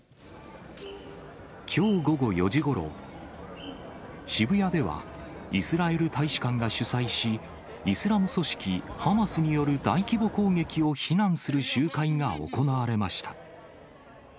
きょう午後４時ごろ、渋谷では、イスラエル大使館が主催し、イスラム組織ハマスによる大規模攻撃を非難する集会が行われました。